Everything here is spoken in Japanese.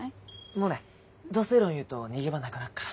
モネド正論言うと逃げ場なくなっから。